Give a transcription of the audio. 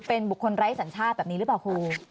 เป็นบุคคลไร้สัญชาติแบบนี้หรือเปล่าครู